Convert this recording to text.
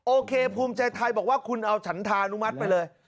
โอเคภูมิใจไทยบอกว่าคุณเอาฉันธานุมัติไปเลย